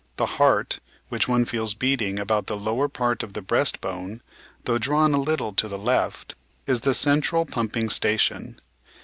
The heart, which one feels beating about the lower part of the breast*bone (though drawn a Uttle to the left) 9 is the central pumping station.